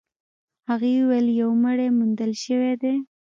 هغې وويل يو مړی موندل شوی دی.